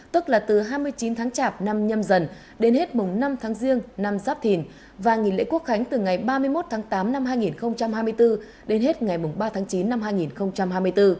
tức là từ hai mươi chín tháng chạp năm nhâm dần đến hết mùng năm tháng riêng năm giáp thìn và nghỉ lễ quốc khánh từ ngày ba mươi một tháng tám năm hai nghìn hai mươi bốn đến hết ngày ba tháng chín năm hai nghìn hai mươi bốn